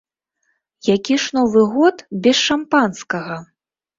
Які ж новы год без шампанскага?